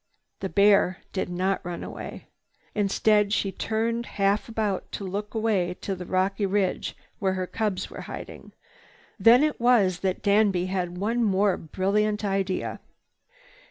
The bear did not run away. Instead, she turned half about to look away to the rocky ridge where her cubs were hiding. Then it was that Danby had one more brilliant idea.